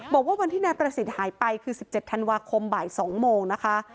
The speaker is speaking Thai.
บอกว่าวันที่นายประสิทธิ์หายไปคือ๑๗ธันวาคมบ่าย๒โมงนะคะ